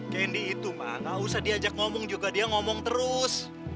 kendi itu mah gak usah diajak ngomong juga dia ngomong terus